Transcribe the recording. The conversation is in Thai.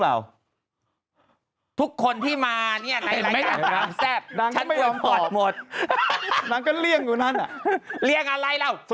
เขาเคยมารายการสามแทรฟ